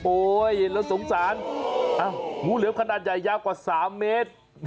โอ้ยแล้วสงสารงูเหลวขนาดใหญ่ยาวกว่า๓เมตร